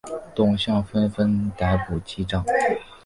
董相纷纷逮捕击杖。